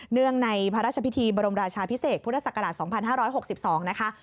เนื่องในพระราชพิธีบรมราชาพิเศษพุทธศักราชสองพันห้าร้อยหกสิบสองนะคะ